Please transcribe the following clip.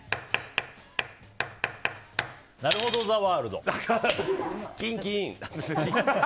「なるほどザワールド」。